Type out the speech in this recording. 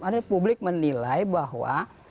artinya publik menilai bahwa